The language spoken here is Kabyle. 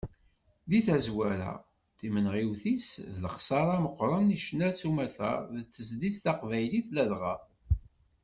Di tazwara, timenɣiwt-is d lexsaṛa meqqren i ccna s umata d tezlit taqbaylit ladɣa.